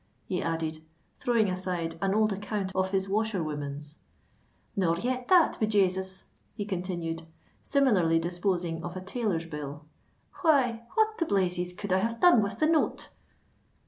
he added, throwing aside an old account of his washerwoman's: "nor yet that, be Jasus!" he continued, similarly disposing of a tailor's bill. "Why—what the blazes could I have done with the note?"